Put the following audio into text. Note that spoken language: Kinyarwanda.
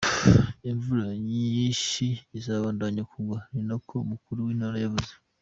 "Imvura nyinshi izobandanya kugwa" ni ko uwo mukuru w'intara yavuze.